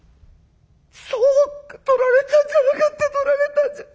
そうかとられたんじゃなかったとられたんじゃ。